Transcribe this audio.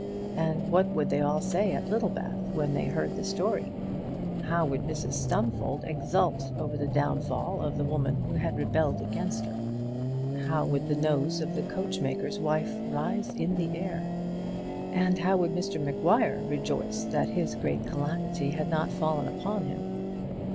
And what would they all say at Littlebath when they heard the story? How would Mrs Stumfold exult over the downfall of the woman who had rebelled against her! how would the nose of the coachmaker's wife rise in the air! and how would Mr Maguire rejoice that this great calamity had not fallen upon him!